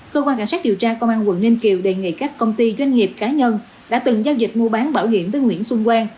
cơ quan cảnh sát điều tra công an quận ninh kiều đề nghị các công ty doanh nghiệp cá nhân đã từng giao dịch mua bán bảo hiểm với nguyễn xuân quang